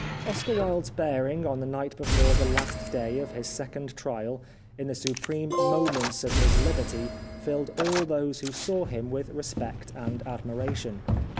Oscar Wilde's bearing on the night before the last day of his second trial, in the supreme moments of his hberty, fiUed all those who saw him with respect and admiration.